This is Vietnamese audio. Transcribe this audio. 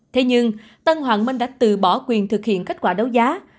thế nhưng tân hoàng minh đã từ bỏ quyền thực hiện kết quả đấu giá